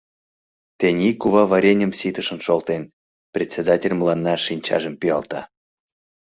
Тений кува вареньым ситышын шолтен, — председатель мыланна шинчажым пӱалта.